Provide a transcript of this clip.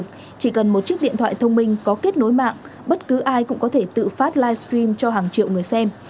chỉ cần một chiếc điện thoại thông minh có kết nối mạng bất cứ ai cũng có thể tự phát livestream cho hàng triệu người xem